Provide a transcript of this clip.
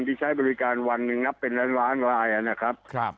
ที่ใช้บริการวันหนึ่งนับเป็นล้านล้านรายนะครับ